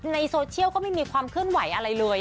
ในโซเชียลก็ไม่มีความเคลื่อนไหวอะไรเลย